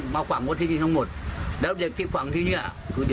มาขวังวทิศที่ทั้งหมดแล้วเด็กที่ขวังที่เนี้ย